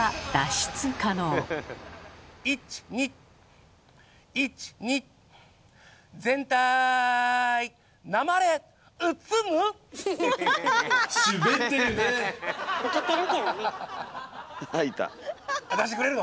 出してくれるの？